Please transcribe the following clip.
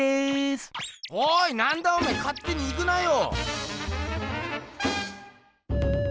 おいなんだおめえかってに行くなよ。